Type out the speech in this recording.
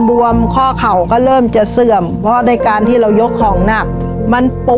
ชีวิตหนูเกิดมาเนี่ยอยู่กับดิน